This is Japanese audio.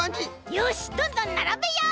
よしどんどんならべよう！